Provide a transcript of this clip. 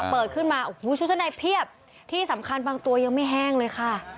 เปิดขึ้นมาโอ้โหชุดชั้นในเพียบที่สำคัญบางตัวยังไม่แห้งเลยค่ะ